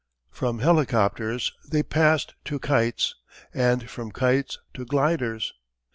From helicopters they passed to kites, and from kites to gliders.